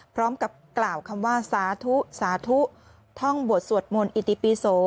พร้อมกับกล่าวคำว่าสาธุสาธุท่องบวชสวดมนต์อิติปิโส